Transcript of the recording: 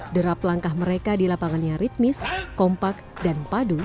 derap langkah mereka di lapangannya ritmis kompak dan padu